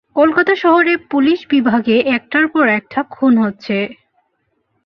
কলকাতা শহরে পুলিশ বিভাগে একটার পর একটা খুন হচ্ছে।